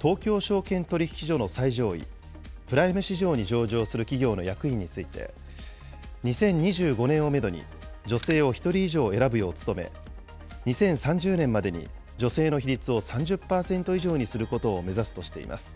東京証券取引所の最上位、プライム市場に上場する企業の役員について、２０２５年をメドに女性を１人以上選ぶよう努め、２０３０年までに女性の比率を３０％以上にすることを目指すとしています。